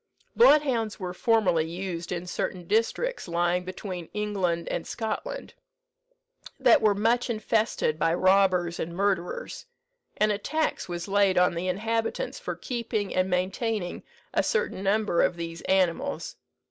"Bloodhounds were formerly used in certain districts lying between England and Scotland, that were much infested by robbers and murderers; and a tax was laid on the inhabitants for keeping and maintaining a certain number of these animals.